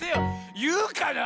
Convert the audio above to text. いうかな？